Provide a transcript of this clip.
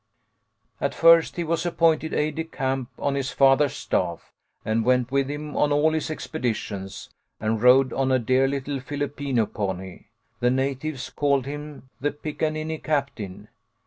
"At first he was appointed aide de camp on his father's staff, and went with him on all his expedi tions, and rode on a dear little Filipino pony. The natives called him the Pickaninny Captain.